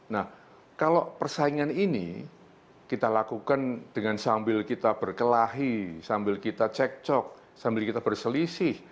nah kalau persaingan ini kita lakukan dengan sambil kita berkelahi sambil kita cek cok sambil kita berselisih